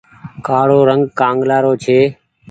ڪآڙو رنگ ڪآنگلآ رو ڇي۔